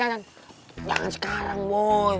jangan sekarang boy